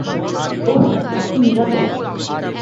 ওহ, আপনি নিরাপদ।